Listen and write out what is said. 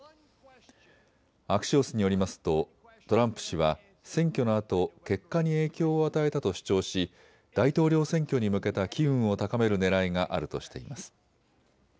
アクシオスによりますとトランプ氏は選挙のあと結果に影響を与えたと主張し大統領選挙に向けた機運を高めるねらいがあるとしています。